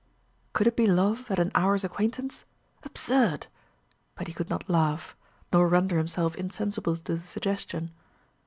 ..." Could it be love at an hour's acquaintance? Absurd! But he could not laugh nor render himself insensible to the suggestion.